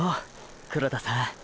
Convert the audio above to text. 黒田さん。